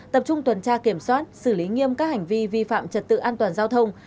tập trung tuần tra kiểm soát xử lý nghiêm các hành vi vi phạm trật tự an toàn giao thông